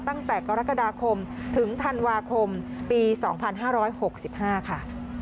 ตั้งแต่กรกฎาคมถึงธันวาคมปี๒๕๖๕ค่ะ